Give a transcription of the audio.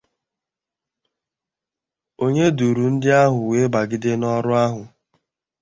onye duru ndị ahụ wee bagide n'ọrụ ahụ